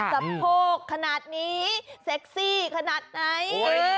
สะโพกขนาดนี้เซ็กซี่ขนาดไหน